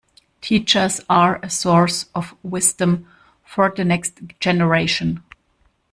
Teachers are a source of wisdom for the next generation.